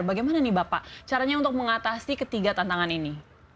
bagaimana nih bapak caranya untuk mengatasi ketiga tantangan ini